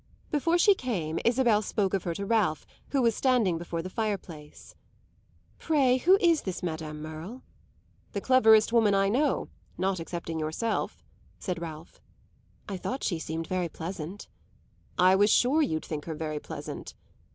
Before she came Isabel spoke of her to Ralph, who was standing before the fireplace. "Pray who is this Madame Merle?" "The cleverest woman I know, not excepting yourself," said Ralph. "I thought she seemed very pleasant." "I was sure you'd think her very pleasant."